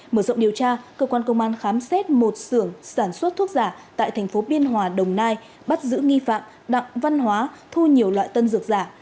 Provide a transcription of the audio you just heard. mở rộng điều tra cơ quan công an khám xét một sưởng sản xuất thuốc giả tại thành phố biên hòa đồng nai bắt giữ nghi phạm đặng văn hóa thu nhiều loại tân dược giả